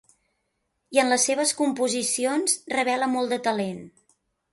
I en les seves composicions revela molt de talent.